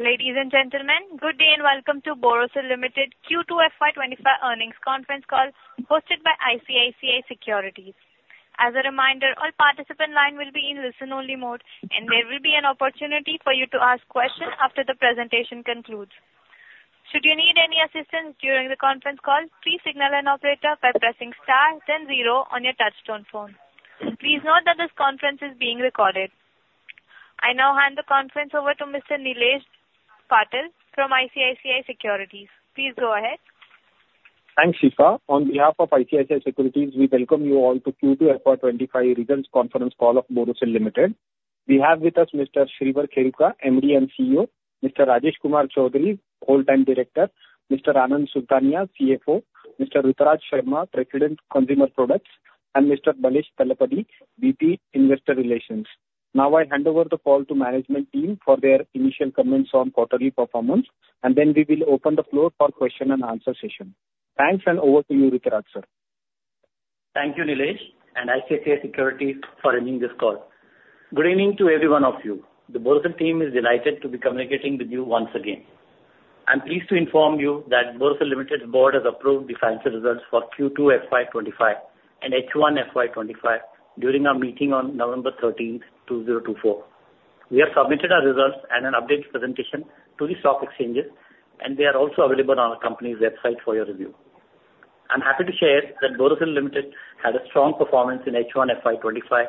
Ladies and gentlemen, good day and welcome to Borosil Limited Q2 FY 2025 earnings conference call hosted by ICICI Securities. As a reminder, all participants' lines will be in listen-only mode, and there will be an opportunity for you to ask questions after the presentation concludes. Should you need any assistance during the conference call, please signal an operator by pressing star, then zero on your touchtone phone. Please note that this conference is being recorded. I now hand the conference over to Mr. Nilesh Patil from ICICI Securities. Please go ahead. Thanks, Shikha. On behalf of ICICI Securities, we welcome you all to Q2 FY 2025 results conference call of Borosil Limited. We have with us Mr. Shreevar Kheruka, MD and CEO, Mr. Rajesh Kumar Chaudhary, Whole Time Director, Mr. Anand Sultania, CFO, Mr. Rituraj Sharma, President, Consumer Products, and Mr. Swadesh Talapady, VP, Investor Relations. Now I hand over the call to management team for their initial comments on quarterly performance, and then we will open the floor for question-and-answer session. Thanks, and over to you, Rituraj sir. Thank you, Nilesh, and ICICI Securities for hosting this call. Good evening to every one of you. The Borosil team is delighted to be communicating with you once again. I'm pleased to inform you that Borosil Limited's board has approved the financial results for Q2 FY 2025 and H1 FY 2025 during our meeting on November 13th, 2024. We have submitted our results and an updated presentation to the stock exchanges, and they are also available on our company's website for your review. I'm happy to share that Borosil Limited had a strong performance in H1 FY 2025,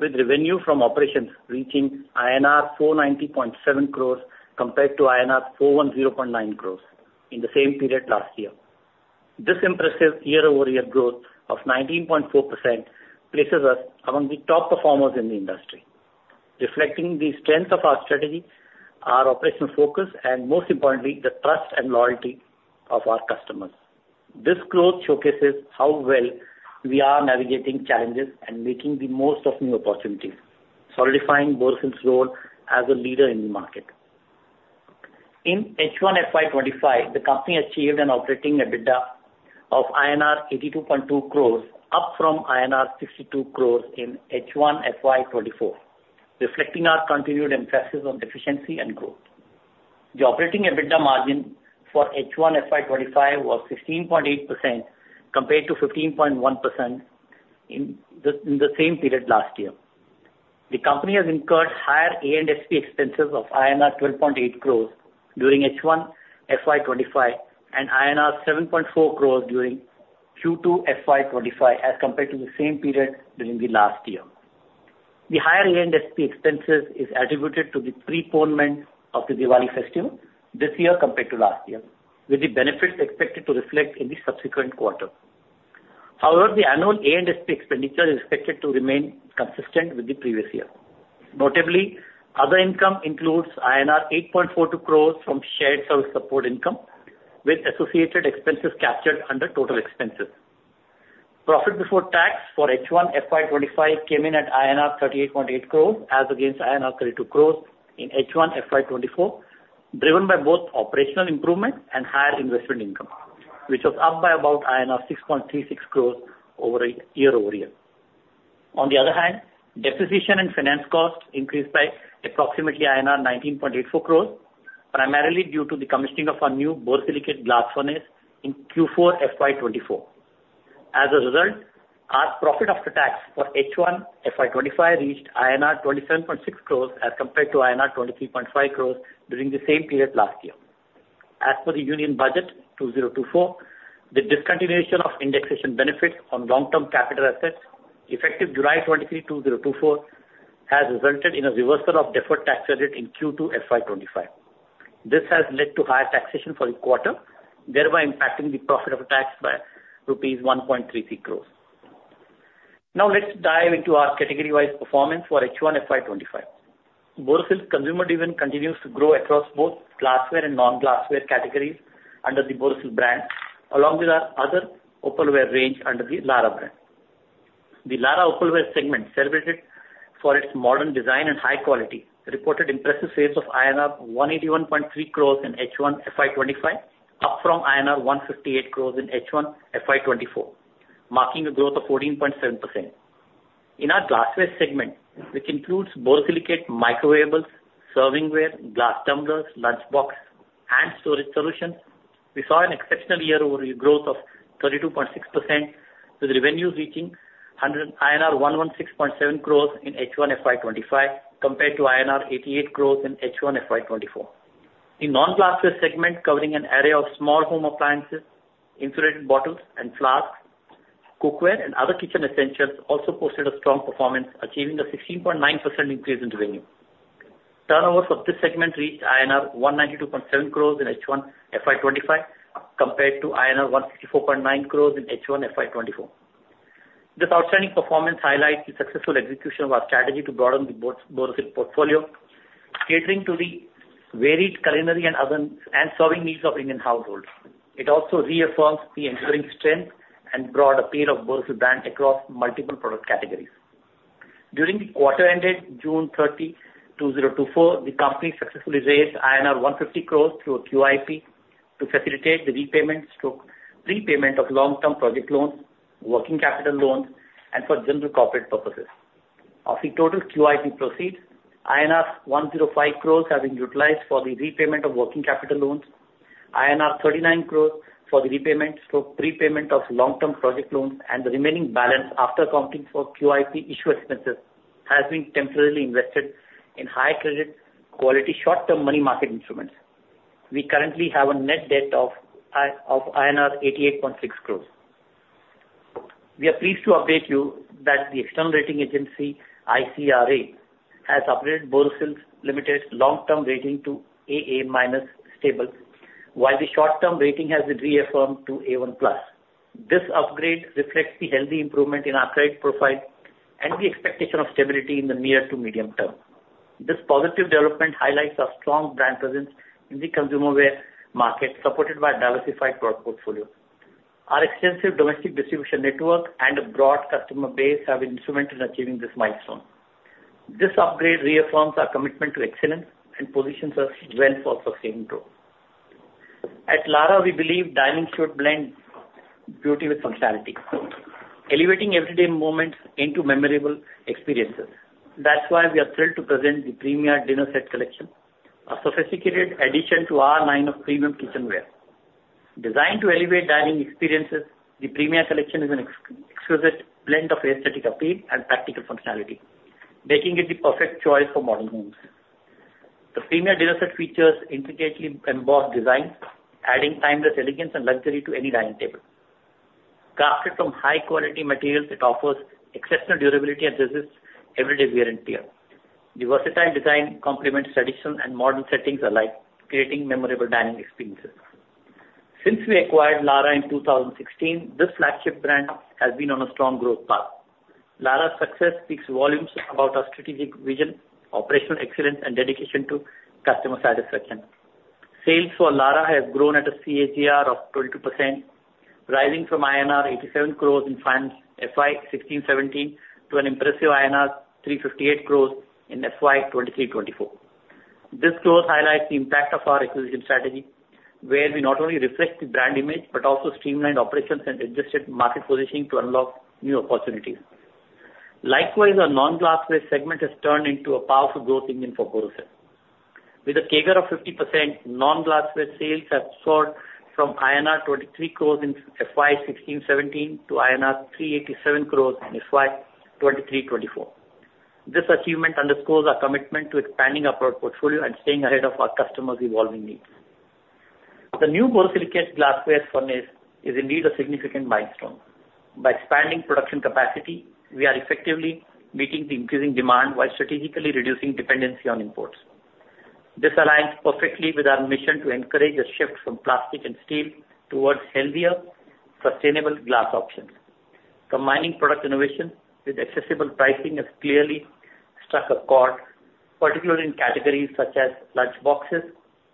with revenue from operations reaching INR 490.7 crores compared to INR 410.9 crores in the same period last year. This impressive year-over-year growth of 19.4% places us among the top performers in the industry. Reflecting the strength of our strategy, our operational focus, and most importantly, the trust and loyalty of our customers. This growth showcases how well we are navigating challenges and making the most of new opportunities, solidifying Borosil's role as a leader in the market. In H1 FY 2025, the company achieved an operating EBITDA of INR 82.2 crores, up from INR 62 crores in H1 FY 2024, reflecting our continued emphasis on efficiency and growth. The operating EBITDA margin for H1 FY 2025 was 15.8% compared to 15.1% in the same period last year. The company has incurred higher A&SP expenses of INR 12.8 crores during H1 FY 2025 and INR 7.4 crores during Q2 FY 2025 as compared to the same period during the last year. The higher A&SP expenses are attributed to the preponement of the Diwali festival this year compared to last year, with the benefits expected to reflect in the subsequent quarter. However, the annual A&SP expenditure is expected to remain consistent with the previous year. Notably, other income includes INR 8.42 crores from shared service support income, with associated expenses captured under total expenses. Profit before tax for H1 FY 2025 came in at INR 38.8 crores as against INR 32 crores in H1 FY 2024, driven by both operational improvement and higher investment income, which was up by about INR 6.36 crores year-over-year. On the other hand, depreciation and finance costs increased by approximately INR 19.84 crores, primarily due to the commissioning of a new borosilicate glass furnace in Q4 FY 2024. As a result, our profit after tax for H1 FY 2025 reached INR 27.6 crores as compared to INR 23.5 crores during the same period last year. As for the Union Budget 2024, the discontinuation of indexation benefits on long-term capital assets effective July 23, 2024, has resulted in a reversal of deferred tax credit in Q2 FY 2025. This has led to higher taxation for the quarter, thereby impacting the profit after tax by rupees 1.33 crores. Now let's dive into our category-wise performance for H1 FY 2025. Borosil's consumer demand continues to grow across both glassware and non-glassware categories under the Borosil brand, along with our other opalware range under the Lara brand. The Lara opalware segment, celebrated for its modern design and high quality, reported impressive sales of INR 181.3 crores in H1 FY 2025, up from INR 158 crores in H1 FY 2024, marking a growth of 14.7%. In our glassware segment, which includes borosilicate microwaves, servingware, glass tumblers, lunch boxes, and storage solutions, we saw an exceptional year-over-year growth of 32.6%, with revenues reaching 116.7 crores in H1 FY 2025 compared to INR 88 crores in H1 FY 2024. The non-glassware segment, covering an area of small home appliances, insulated bottles, and flasks, cookware, and other kitchen essentials, also posted a strong performance, achieving a 16.9% increase in revenue. Turnover for this segment reached INR 192.7 crores in H1 FY 2025 compared to INR 164.9 crores in H1 FY 2024. This outstanding performance highlights the successful execution of our strategy to broaden the Borosil portfolio, catering to the varied culinary and serving needs of Indian households. It also reaffirms the enduring strength and broad appeal of Borosil brand across multiple product categories. During the quarter-ended June 30, 2024, the company successfully raised INR 150 crores through a QIP to facilitate the repayment of long-term project loans, working capital loans, and for general corporate purposes. Of the total QIP proceeds, INR 105 crores have been utilized for the repayment of working capital loans, INR 39 crores for the repayment of long-term project loans, and the remaining balance, after accounting for QIP issue expenses, has been temporarily invested in high-credit quality short-term money market instruments. We currently have a net debt of INR 88.6 crores. We are pleased to update you that the external rating agency, ICRA, has upgraded Borosil Limited's long-term rating to AA- stable, while the short-term rating has been reaffirmed to A1+. This upgrade reflects the healthy improvement in our credit profile and the expectation of stability in the near to medium term. This positive development highlights our strong brand presence in the consumerware market, supported by a diversified product portfolio. Our extensive domestic distribution network and a broad customer base have been instrumental in achieving this milestone. This upgrade reaffirms our commitment to excellence and positions us well for sustaining growth. At Lara, we believe dining should blend beauty with functionality, elevating everyday moments into memorable experiences. That's why we are thrilled to present the Premia Dinner Set Collection, a sophisticated addition to our line of premium kitchenware. Designed to elevate dining experiences, the Premia Collection is an exquisite blend of aesthetic appeal and practical functionality, making it the perfect choice for modern homes. The Premia Dinner Set features intricately embossed designs, adding timeless elegance and luxury to any dining table. Crafted from high-quality materials, it offers exceptional durability and resists everyday wear and tear. The versatile design complements traditional and modern settings alike, creating memorable dining experiences. Since we acquired Lara in 2016, this flagship brand has been on a strong growth path. Lara's success speaks volumes about our strategic vision, operational excellence, and dedication to customer satisfaction. Sales for Lara have grown at a CAGR of 22%, rising from INR 87 crores in FY 2016 to FY 2017 to an impressive INR 358 crores in FY 2023 to FY 2024. This growth highlights the impact of our acquisition strategy, where we not only reflect the brand image but also streamlined operations and adjusted market positioning to unlock new opportunities. Likewise, our non-glassware segment has turned into a powerful growth engine for Borosil. With a CAGR of 50%, non-glassware sales have soared from INR 23 crores in FY 2016 to FY 2017 to INR 387 crores in FY 2023 to FY 2024. This achievement underscores our commitment to expanding our product portfolio and staying ahead of our customers' evolving needs. The new Borosilicate glassware furnace is indeed a significant milestone. By expanding production capacity, we are effectively meeting the increasing demand while strategically reducing dependency on imports. This aligns perfectly with our mission to encourage a shift from plastic and steel towards healthier, sustainable glass options. Combining product innovation with accessible pricing has clearly struck a chord, particularly in categories such as lunch boxes,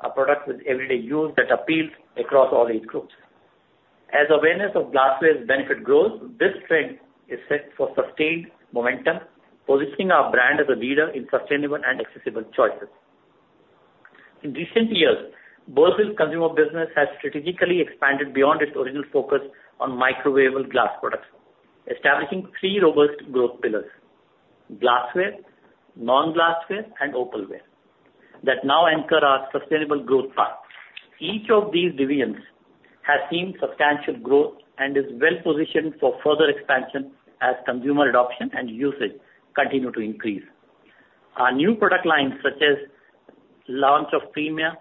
a product with everyday use that appeals across all age groups. As awareness of glassware's benefit grows, this trend is set for sustained momentum, positioning our brand as a leader in sustainable and accessible choices. In recent years, Borosil's consumer business has strategically expanded beyond its original focus on microwave glass products, establishing three robust growth pillars: glassware, non-glassware, and opalware that now anchor our sustainable growth path. Each of these divisions has seen substantial growth and is well-positioned for further expansion as consumer adoption and usage continue to increase. Our new product lines, such as the launch of Premia,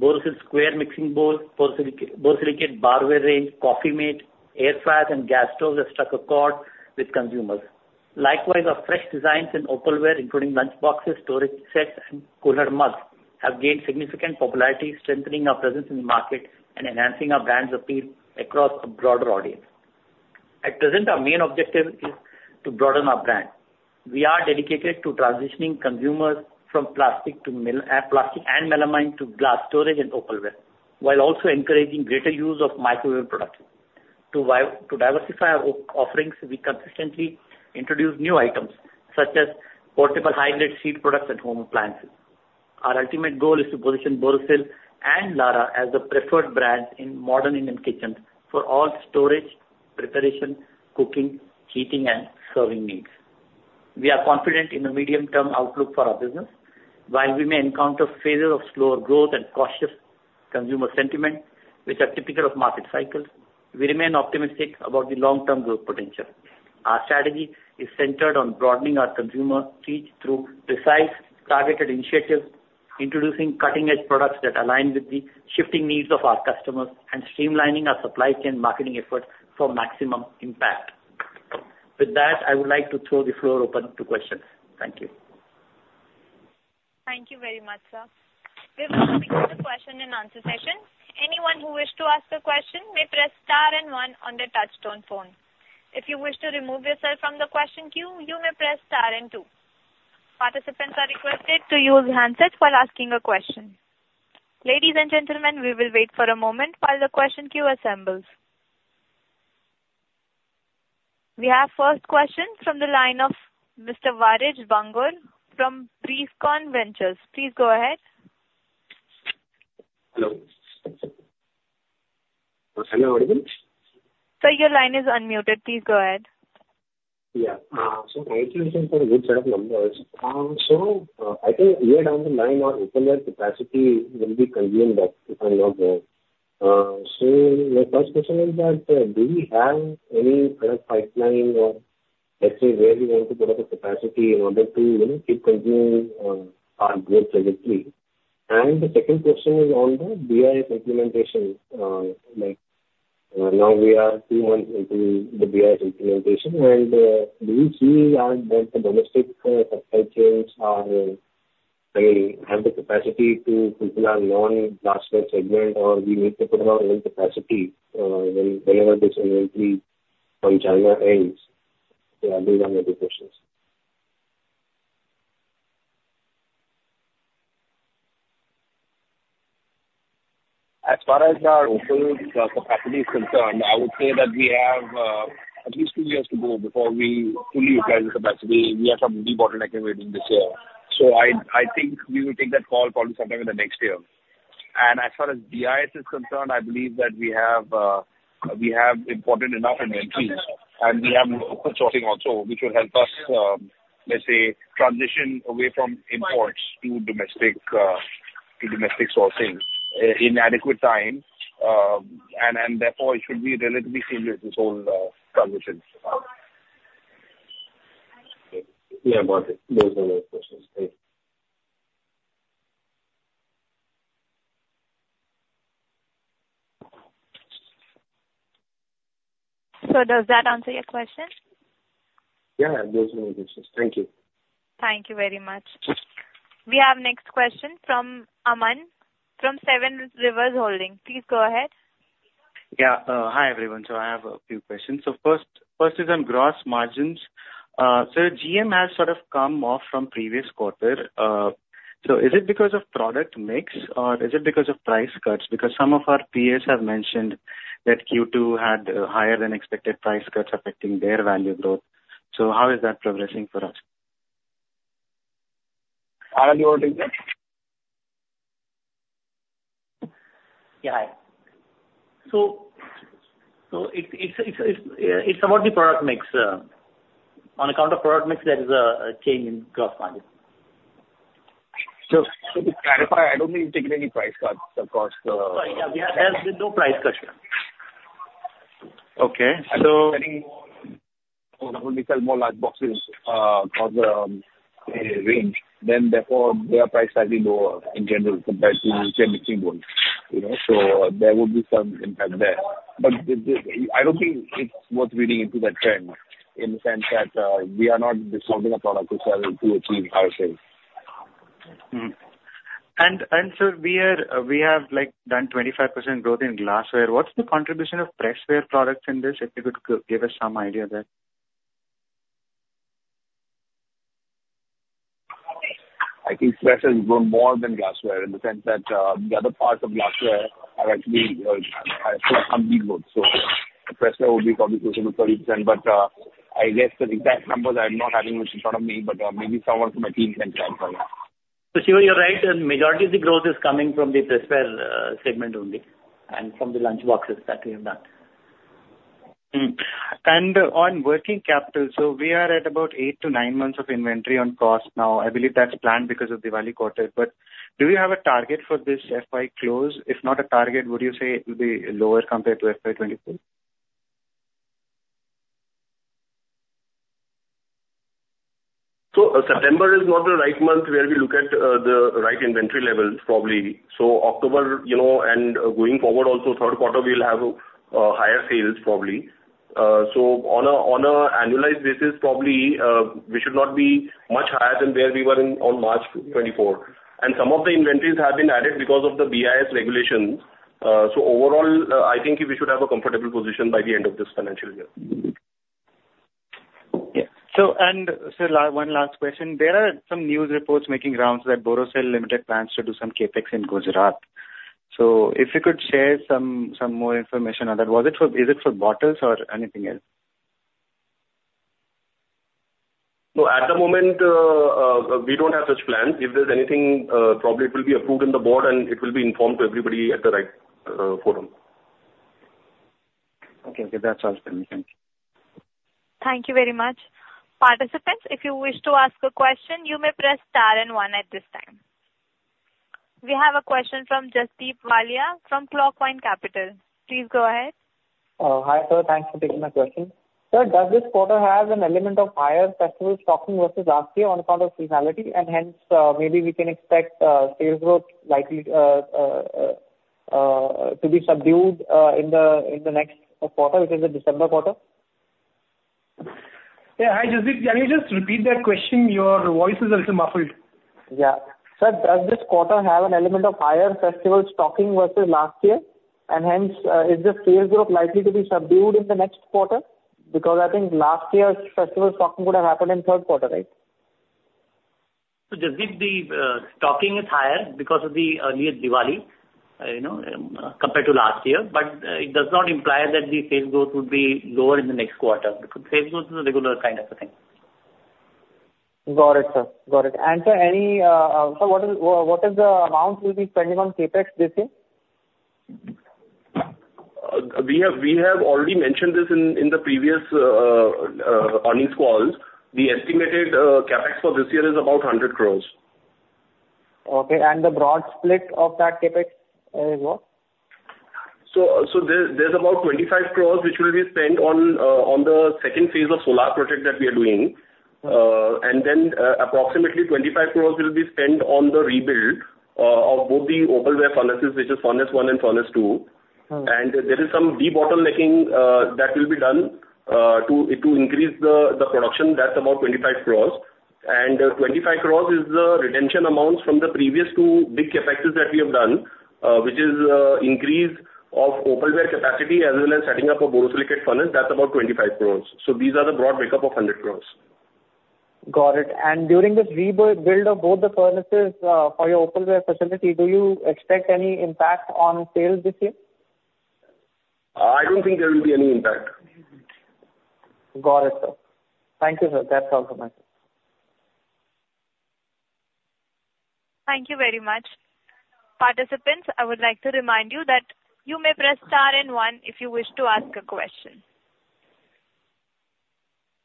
Borosil Square Mixing Bowl, Borosilicate Barware Range, Coffeemate, Air Fryers, and Gas Stoves, have struck a chord with consumers. Likewise, our fresh designs in opalware, including lunch boxes, storage sets, and cooler mugs, have gained significant popularity, strengthening our presence in the market and enhancing our brand's appeal across a broader audience. At present, our main objective is to broaden our brand. We are dedicated to transitioning consumers from plastic and melamine to glass storage and opalware, while also encouraging greater use of microwave products. To diversify our offerings, we consistently introduce new items such as portable high-grade steel products and home appliances. Our ultimate goal is to position Borosil and Lara as the preferred brands in modern Indian kitchens for all storage, preparation, cooking, heating, and serving needs. We are confident in the medium-term outlook for our business. While we may encounter phases of slower growth and cautious consumer sentiment, which are typical of market cycles, we remain optimistic about the long-term growth potential. Our strategy is centered on broadening our consumer reach through precise, targeted initiatives, introducing cutting-edge products that align with the shifting needs of our customers, and streamlining our supply chain marketing efforts for maximum impact. With that, I would like to throw the floor open to questions. Thank you. Thank you very much, sir. We're now coming to the question-and-answer session. Anyone who wishes to ask a question may press Star and One on the touch-tone phone. If you wish to remove yourself from the question queue, you may press Star and Two. Participants are requested to use handsets while asking a question. Ladies and gentlemen, we will wait for a moment while the question queue assembles. We have the first question from the line of Mr. Varish Bhangur from Brescon Ventures. Please go ahead. Hello. Hello, everyone. Sir, your line is unmuted. Please go ahead. Yeah. Sir, I think you have some good set of numbers. So, I think here down the line, our opalware capacity will be consumed up if I'm not wrong. So, my first question is that, do we have any product pipeline or, let's say, where we want to put up a capacity in order to keep consuming our growth trajectory? And the second question is on the BIS implementation. Now we are two months into the BIS implementation, and do we see that the domestic supply chains are, I mean, have the capacity to fulfill our non-glassware segment, or do we need to put up our own capacity whenever this inventory from China ends? So, I'll do one of the questions. As far as our opal capacity is concerned, I would say that we have at least two years to go before we fully utilize the capacity. We are probably de-bottlenecking within this year. So, I think we will take that call probably sometime in the next year. And as far as BIS is concerned, I believe that we have important enough inventories, and we have local sourcing also, which will help us, let's say, transition away from imports to domestic sourcing in adequate time. And therefore, it should be relatively seamless, this whole transition. Yeah, got it. Those were my questions. Thank you. Sir, does that answer your question? Yeah, those were my questions. Thank you. Thank you very much. We have the next question from Aman from Seven Rivers Holding. Please go ahead. Yeah. Hi, everyone. So, I have a few questions. So, first is on gross margins. Sir, GM has sort of come off from previous quarter. So, is it because of product mix, or is it because of price cuts? Because some of our peers have mentioned that Q2 had higher-than-expected price cuts affecting their value growth. So, how is that progressing for us? Hi, are you all doing good? Yeah, hi. So, it's about the product mix. On account of product mix, there is a change in gross margin. So, to clarify, I don't mean to take any price cuts, of course. There's been no price cuts. Okay. So, we sell more large boxes across the range. Then, therefore, their price slightly lower in general compared to their mixing bowls. So, there would be some impact there. But I don't think it's worth reading into that trend in the sense that we are not discounting a product to sell to achieve our sales. Sir, we have done 25% growth in glassware. What's the contribution of pressware products in this, if you could give us some idea there? I think pressware were more than glassware in the sense that the other parts of glassware are actually unbeatable. So, pressware would be probably closer to 30%. But I guess the exact numbers I'm not having much in front of me, but maybe someone from my team can clarify. So, you're right. The majority of the growth is coming from the pressware segment only and from the lunch boxes that we have done. And on working capital, so we are at about eight-to-nine months of inventory on cost now. I believe that's planned because of the value quarter. But do you have a target for this FY close? If not a target, would you say it would be lower compared to FY 2024? September is not the right month where we look at the right inventory levels, probably. So, October and going forward, also third quarter, we'll have higher sales probably. So, on an annualized basis, probably we should not be much higher than where we were in March 2024. And some of the inventories have been added because of the BIS regulations. So, overall, I think we should have a comfortable position by theend of this financial year. Yeah. So, and, sir, one last question. There are some news reports making rounds that Borosil Limited plans to do some CapEx in Gujarat. So, if you could share some more information on that. Is it for bottles or anything else? No, at the moment, we don't have such plans. If there's anything, probably it will be approved in the board, and it will be informed to everybody at the right forum. Okay. Okay. That's all for me. Thank you. Thank you very much. Participants, if you wish to ask a question, you may press Star and One at this time. We have a question from Jasdeep Walia from Clockvine Capital. Please go ahead. Hi, sir. Thanks for taking my question. Sir, does this quarter have an element of higher festival stocking versus last year on account of seasonality? And hence, maybe we can expect sales growth likely to be subdued in the next quarter, which is the December quarter? Yeah. Hi, Jasdeep. Can you just repeat that question? Your voice is a little muffled. Yeah. Sir, does this quarter have an element of higher festival stocking versus last year? And hence, is the sales growth likely to be subdued in the next quarter? Because I think last year's festival stocking would have happened in third quarter, right? Jasdeep, the stocking is higher because of the earlier Diwali compared to last year. But it does not imply that the sales growth would be lower in the next quarter. Sales growth is a regular kind of a thing. Got it, sir. Got it. And, sir, what is the amount we'll be spending on CapEx this year? We have already mentioned this in the previous earnings calls. The estimated CapEx for this year is about 100 crores. Okay. And the broad split of that CapEx is what? There's about 25 crores, which will be spent on the second phase of solar project that we are doing. And then, approximately 25 crores will be spent on the rebuild of both the opalware furnaces, which is Furnace One and Furnace Two. And there is some de-bottlenecking that will be done to increase the production. That's about 25 crores. And 25 crores is the retention amounts from the previous two big CapExes that we have done, which is increase of opalware capacity as well as setting up a borosilicate furnace. That's about 25 crores. So, these are the broad makeup of 100 crores. Got it. And during this rebuild of both the furnaces for your opalware facility, do you expect any impact on sales this year? I don't think there will be any impact. Got it, sir. Thank you, sir. That's all from me. Thank you very much. Participants, I would like to remind you that you may press Star and One if you wish to ask a question.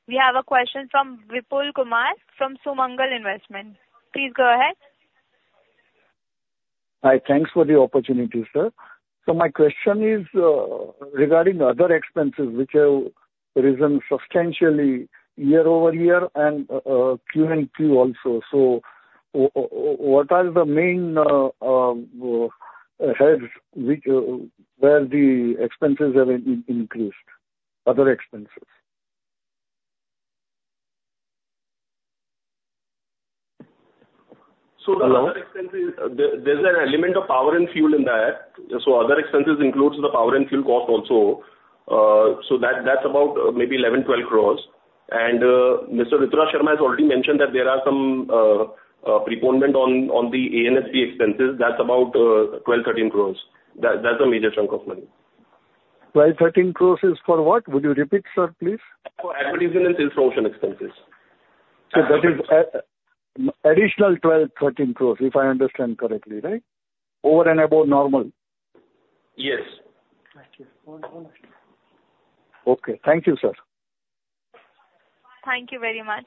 We have a question from Vipul Kumar from Sumangal Investment. Please go ahead. Hi. Thanks for the opportunity, sir. So, my question is regarding other expenses, which have risen substantially year-over-year and Q and Q also. What are the main heads where the expenses have increased, other expenses? So, there's an element of power and fuel in that. So, other expenses includes the power and fuel cost also. So, that's about maybe 11-12 crores. And Mr. Rituraj Sharma has already mentioned that there are some preponderance on the A&SP expenses. That's about 12-13 crores. That's a major chunk of money. 12-13 crores is for what? Would you repeat, sir, please? For advertising and sales promotion expenses. So, that is additional 12-13 crores, if I understand correctly, right? Over and above normal. Yes. Okay. Thank you, sir. Thank you very much.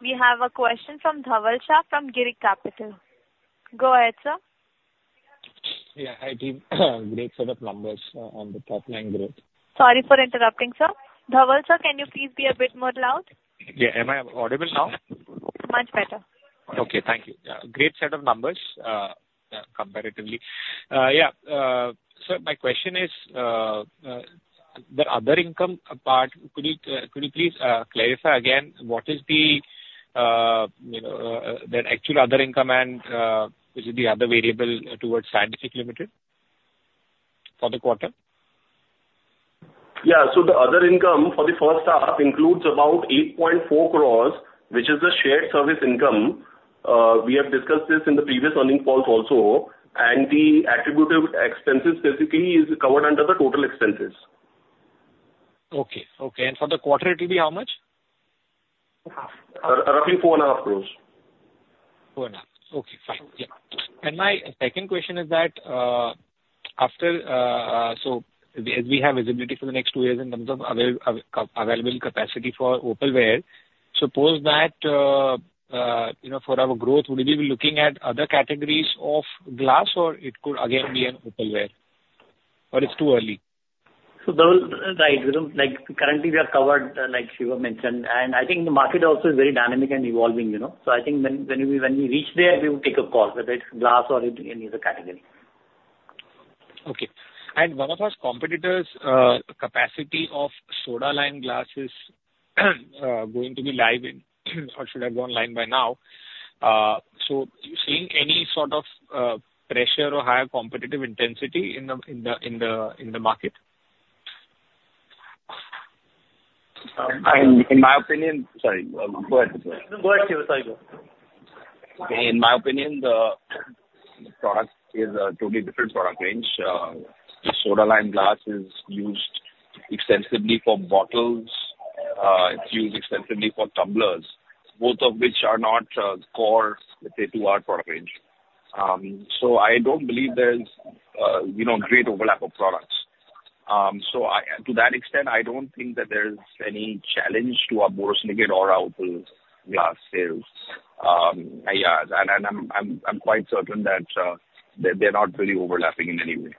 We have a question from Dhaval Shah from Girik Capital. Go ahead, sir. Yeah. Hi, team. Great set of numbers on the top line growth. Sorry for interrupting, sir. Dhaval Shah, can you please be a bit more loud? Yeah. Am I audible now? Much better. Okay. Thank you. Great set of numbers comparatively. Yeah. Sir, my question is, the other income part, could you please clarify again what is the actual other income and is it the receivable towards Borosil Scientific Limited for the quarter? Yeah. So, the other income for the first half includes about 8.4 crores, which is the shared service income. We have discussed this in the previous earnings calls also. And the attributable expenses basically is covered under the total expenses. Okay. Okay. And for the quarter, it will be how much? Roughly four and a half crores. Four and a half. Okay. Fine. Yeah. And my second question is that, so, as we have visibility for the next two years in terms of available capacity for opalware, suppose that for our growth, would we be looking at other categories of glass, or it could again be in opalware? Or it's too early? So, Dhaval, right, currently we are covered, like Shiva mentioned. And I think the market also is very dynamic and evolving. So, I think when we reach there, we will take a call, whether it's glass or any other category. Okay. And one of our competitors, capacity of soda-lime glass is going to be live in, or should have gone live by now. So, you're seeing any sort of pressure or higher competitive intensity in the market? In my opinion sorry. Go ahead, sir. Go ahead, Shreevar. Sorry. In my opinion, the product is a totally different product range. Soda-lime glass is used extensively for bottles. It's used extensively for tumblers, both of which are not core, let's say, to our product range. So, I don't believe there's great overlap of products. So, to that extent, I don't think that there's any challenge to our borosilicate or our opal glass sales. Yeah. And I'm quite certain that they're not really overlapping in any way.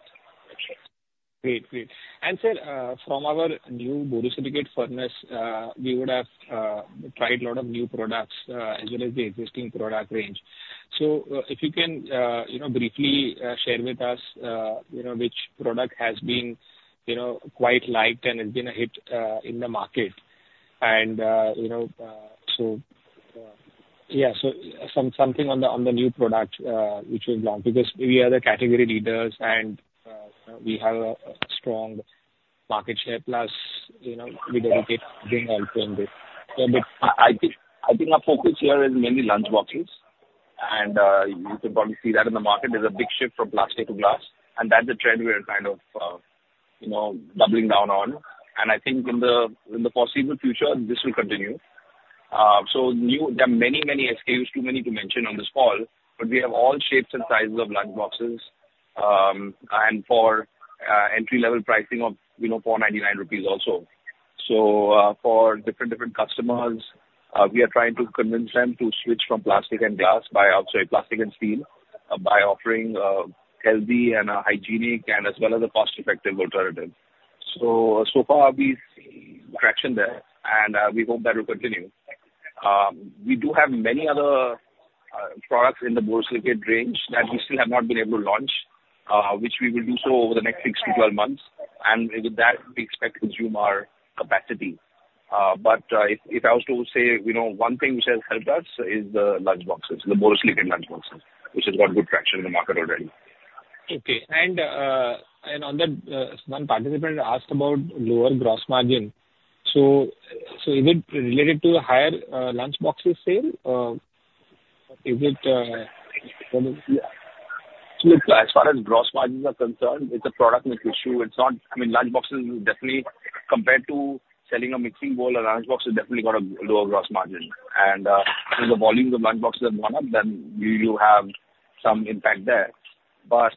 Sure. Great. Great. And, sir, from our new borosilicate furnace, we would have tried a lot of new products as well as the existing product range. So, if you can briefly share with us which product has been quite liked and has been a hit in the market. And so, yeah, so something on the new product, which we've launched, because we are the category leaders and we have a strong market share, plus we dedicate helping this. But I think our focus here is mainly lunch boxes. And you can probably see that in the market. There's a big shift from plastic to glass. And that's a trend we're kind of doubling down on. And I think in the foreseeable future, this will continue. So, there are many, many SKUs, too many to mention on this call. But we have all shapes and sizes of lunch boxes and for entry-level pricing of 499 rupees also. So, for different customers, we are trying to convince them to switch from plastic and glass by, sorry, plastic and steel, by offering a healthy and a hygienic and as well as a cost-effective alternative. So, so far, we see traction there, and we hope that will continue. We do have many other products in the Borosilicate range that we still have not been able to launch, which we will do so over the next six to 12 months. With that, we expect to consume our capacity. If I was to say one thing which has helped us is the lunch boxes, the Borosilicate lunch boxes, which has got good traction in the market already. Okay. On that, one participant asked about lower gross margin. Is it related to the higher lunch boxes sale? Is it? Yeah. Look, as far as gross margins are concerned, it's a product-linked issue. I mean, lunch boxes definitely, compared to selling a mixing bowl or lunch box, it's definitely got a lower gross margin. As the volumes of lunch boxes have gone up, then you have some impact there. But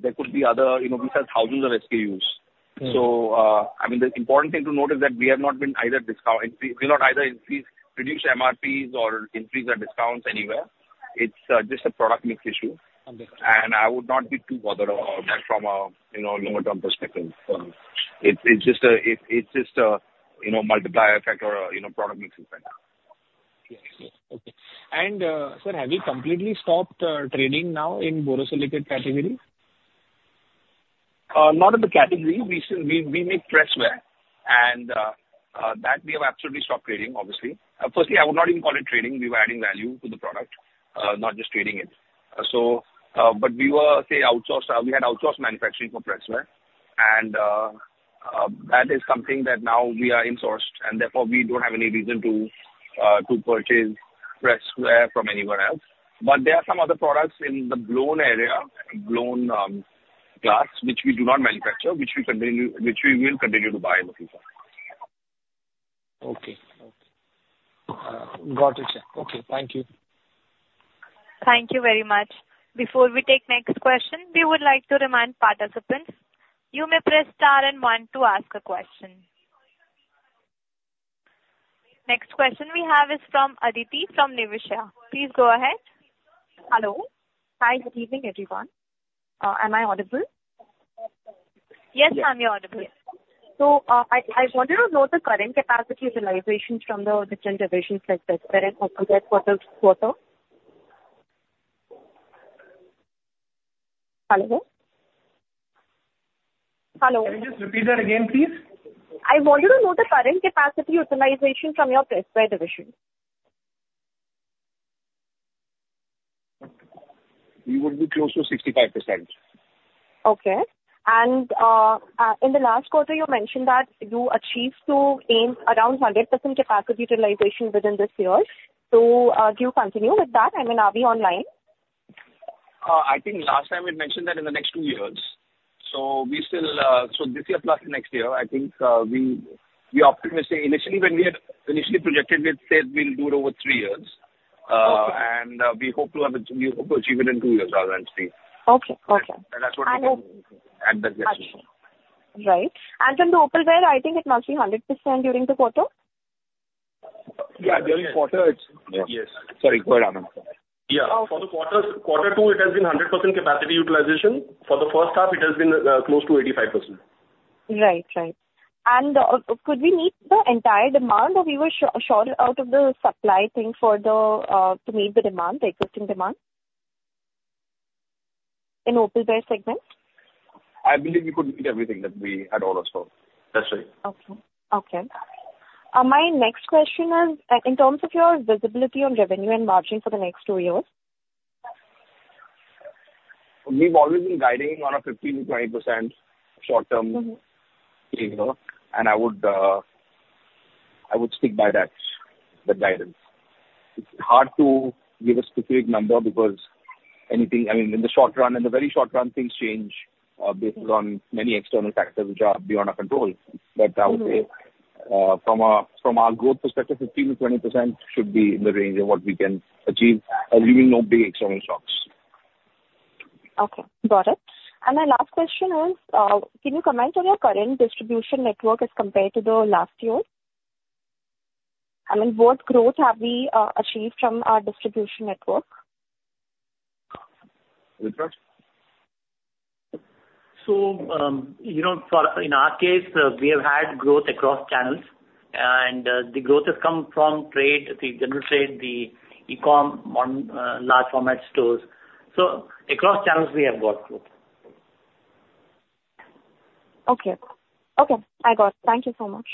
there could be other. We've had thousands of SKUs. So, I mean, the important thing to note is that we have not been either discount. We will not either increase, reduce MRPs or increase our discounts anywhere. It's just a product-linked issue. And I would not be too bothered about that from a longer-term perspective. It's just a multiplier factor or product-linked effect. Yes. Okay. And, sir, have you completely stopped trading now in Borosilicate category? Not in the category. We make pressware. And that, we have absolutely stopped trading, obviously. Firstly, I would not even call it trading. We were adding value to the product, not just trading it. But we were, say, outsourced. We had outsourced manufacturing for pressware. And that is something that now we are insourced. And therefore, we don't have any reason to purchase pressware from anywhere else. But there are some other products in the blown area, blown glass, which we do not manufacture, which we will continue to buy in the future. Okay. Okay. Got it, sir. Okay. Thank you. Thank you very much. Before we take next question, we would like to remind participants, you may press Star and One to ask a question. Next question we have is from Aditi from Niveshaay. Please go ahead. Hello. Hi. Good evening, everyone. Am I audible? Yes, ma'am, you're audible. So, I wanted to know the current capacity utilization from the different divisions like Pressware and Opalware for this quarter. Hello? Hello? Can you just repeat that again, please? I wanted to know the current capacity utilization from your pressware division. We would be close to 65%. Okay. And in the last quarter, you mentioned that you achieved to aim around 100% capacity utilization within this year. So, do you continue with that? I mean, are we online? I think last time we mentioned that in the next two years. So, this year plus next year, I think we optimized. Initially, when we had initially projected, we said we'll do it over three years. And we hope to achieve it in two years rather than three. Okay. Okay. And that's what we hope at that decision. Right. And for the opalware, I think it must be 100% during the quarter? Yeah. During quarter, it's yes. Sorry. Go ahead, Anand. Yeah. For the quarter two, it has been 100% capacity utilization. For the first half, it has been close to 85%. Right. Right. And could we meet the entire demand, or we were short out of the supply thing to meet the demand, the existing demand, in opalware segment? I believe we could meet everything that we had ordered, sir. That's right. Okay. Okay. My next question is, in terms of your visibility on revenue and margin for the next two years? We've always been guiding on a 15%-20% short-term figure. And I would stick by that guidance. It's hard to give a specific number because anything, I mean, in the short run, in the very short run, things change based on many external factors which are beyond our control. But I would say, from our growth perspective, 15%-20% should be in the range of what we can achieve, absent external shocks. Okay. Got it. And my last question is, can you comment on your current distribution network as compared to the last year? I mean, what growth have we achieved from our distribution network? Rituraj? So, in our case, we have had growth across channels. And the growth has come from trade, the general trade, the e-comm, large format stores. So, across channels, we have got growth. Okay. Okay. I got it. Thank you so much.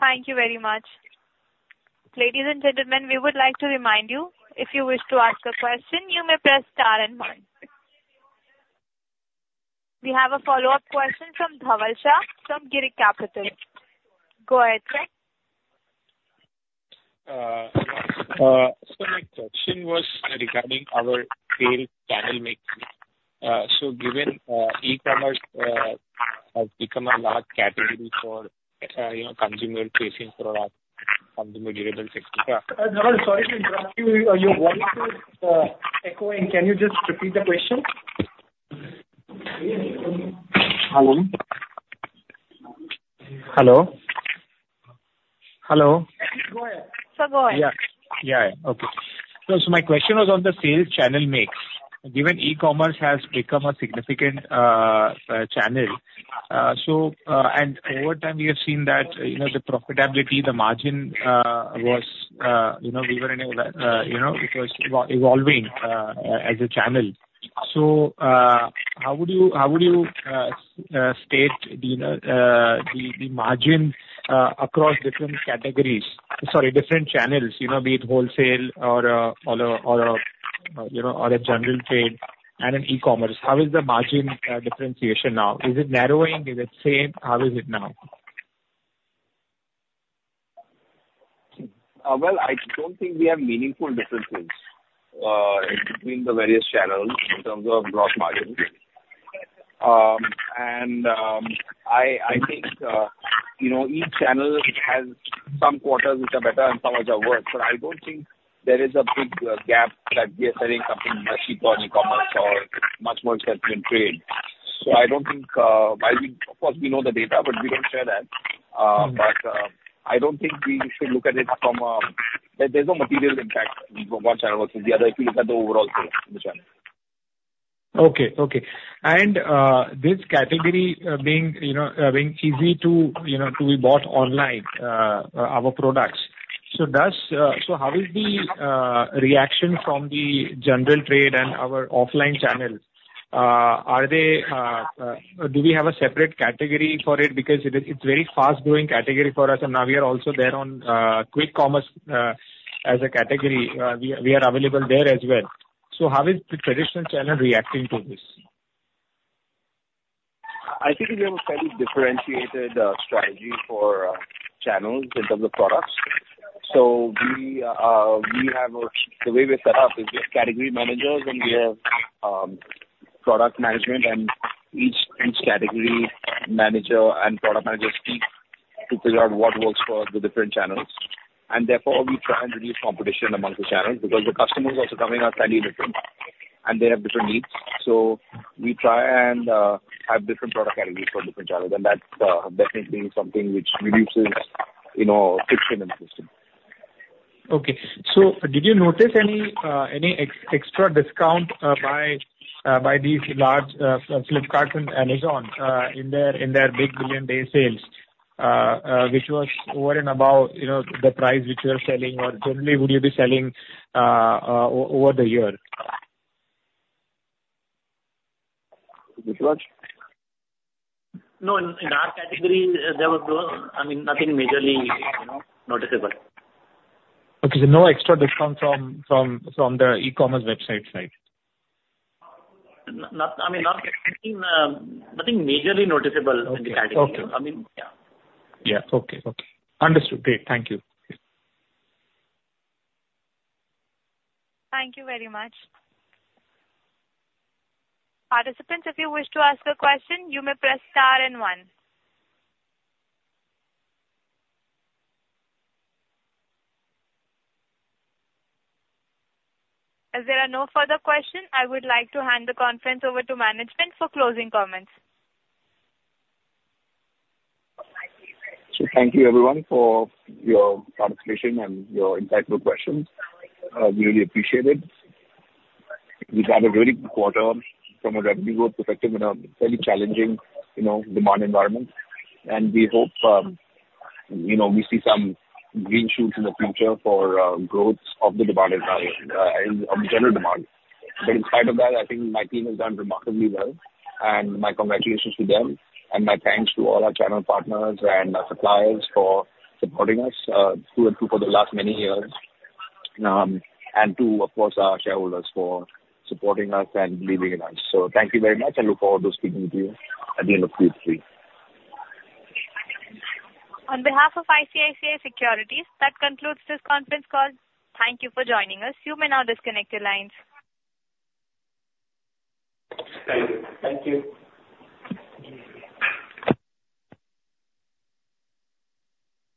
Thank you very much. Ladies and gentlemen, we would like to remind you, if you wish to ask a question, you may press Star and One. We have a follow-up question from Dhaval Shah from Girik Capital. Go ahead, sir. Sir, my question was regarding our sales channel mix. So, given e-commerce has become a large category for consumer facing products, consumer derivatives, etc. Dhaval, sorry to interrupt you. Are you wanting to echo in? Can you just repeat the question? Hello? Hello? Hello? Go ahead. Sir, go ahead. Yeah. Yeah. Yeah. Okay. So, my question was on the sales channel mix. Given e-commerce has become a significant channel, and over time, we have seen that the profitability, the margin, it was evolving as a channel. So, how would you state the margin across different categories? Sorry, different channels, be it wholesale or a general trade and an e-commerce, how is the margin differentiation now? Is it narrowing? Is it same? How is it now? Well, I don't think we have meaningful differences between the various channels in terms of gross margin. And I think each channel has some quarters which are better and some which are worse. But I don't think there is a big gap that we are selling something much cheaper on e-commerce or much more expensive in trade. So, I don't think of course, we know the data, but we don't share that. But I don't think we should look at it from a. There's no material impact from one channel versus the other if you look at the overall sales in the channel. Okay. Okay. And this category being easy to be bought online, our products. So, how is the reaction from the general trade and our offline channels? Are they? Do we have a separate category for it? Because it's a very fast-growing category for us. And now we are also there on quick commerce as a category. We are available there as well. So, how is the traditional channel reacting to this? I think we have a fairly differentiated strategy for channels in terms of products. So, the way we're set up is we have category managers and we have product management. And each category manager and product manager speak to figure out what works for the different channels. And therefore, we try and reduce competition amongst the channels because the customers also come in are fairly different. And they have different needs. So, we try and have different product categories for different channels. And that's definitely something which reduces friction in the system. Okay. So, did you notice any extra discount by these large Flipkart and Amazon in their Big Billion Days sales, which was over and above the price which you are selling, or generally, would you be selling over the year? Rituraj? No, in our category, there was no I mean, nothing majorly noticeable. Okay. So, no extra discount from the e-commerce website side? I mean, nothing majorly noticeable in the category. I mean, yeah. Yeah. Okay. Okay. Understood. Great. Thank you. Thank you very much. Participants, if you wish to ask a question, you may press Star and One. As there are no further questions, I would like to hand the conference over to management for closing comments. So, thank you, everyone, for your participation and your insightful questions. We really appreciate it. We've had a very good quarter from a revenue growth perspective in a fairly challenging demand environment. And we hope we see some green shoots in the future for growth of the demand environment, of the general demand. But in spite of that, I think my team has done remarkably well. And my congratulations to them. And my thanks to all our channel partners and our suppliers for supporting us through and through for the last many years. And to, of course, our shareholders for supporting us and believing in us. So, thank you very much. I look forward to speaking with you at the end of Q3. On behalf of ICICI Securities, that concludes this conference call. Thank you for joining us. You may now disconnect your lines. Thank you.